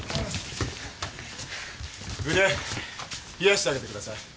腕冷やしてあげてください。